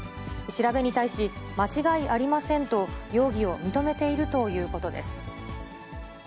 調べに対し、間違いありませんと容疑を認めているということです。